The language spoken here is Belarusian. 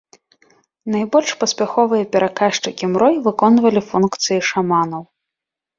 Найбольш паспяховыя пераказчыкі мрой выконвалі функцыі шаманаў.